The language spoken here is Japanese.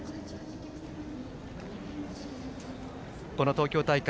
東京大会